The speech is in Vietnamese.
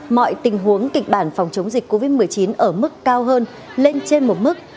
mọi tình huống kịch bản phòng chống dịch covid một mươi chín ở mức cao hơn lên trên một mức